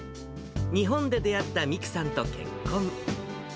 日本で出会った未来さんと結婚。